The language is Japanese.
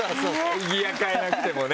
ギア変えなくてもね。